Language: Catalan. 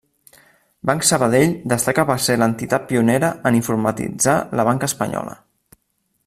Banc Sabadell destaca per ser l'entitat pionera en informatitzar la banca espanyola.